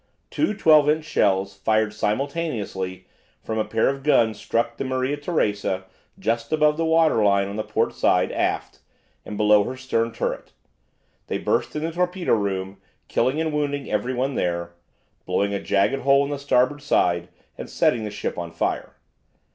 Two 12 inch shells fired simultaneously from a pair of guns struck the "Maria Teresa" just above the waterline on the port side, aft and below her stern turret. They burst in the torpedo room, killing and wounding every one there, blowing a jagged hole in the starboard side, and setting the ship on fire.